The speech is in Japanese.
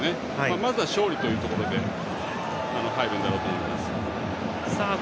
まず勝利というところで入るんだろうと思います。